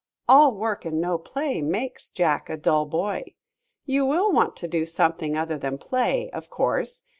All work and no play makes Jack a dull boy. You will want to do something other than play, of course.